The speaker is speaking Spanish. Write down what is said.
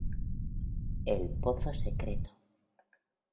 El "Pozo secreto".